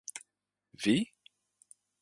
Vi?